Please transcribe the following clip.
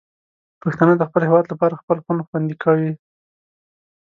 پښتانه د خپل هېواد لپاره خپل خون خوندي کوي.